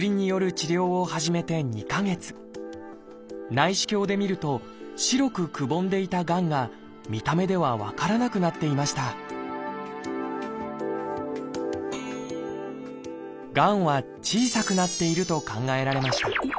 内視鏡で見ると白くくぼんでいたがんが見た目では分からなくなっていましたがんは小さくなっていると考えられました。